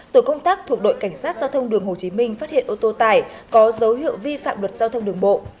tổ công tác thuộc đội cảnh sát giao thông đường hồ chí minh phát hiện ô tô tải có dấu hiệu vi phạm luật giao thông đường bộ